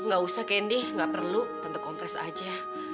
gak usah candy gak perlu tante kompres aja